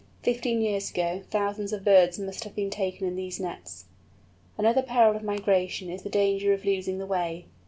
Fifteen years ago thousands of birds must have been taken in these nets. Another peril of migration is the danger of losing the way.